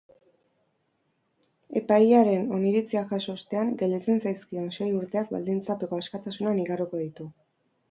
Epailearen oniritzia jaso ostean, gelditzen zaizkion sei urteak baldintzapeko askatasunean igaroko ditu.